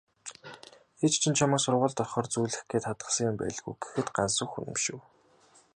"Ээж чинь чамайг сургуульд орохоор зүүлгэх гээд хадгалсан юм байлгүй" гэхэд Гансүх үнэмшив.